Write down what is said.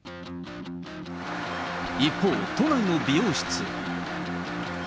一方、都内の美容室。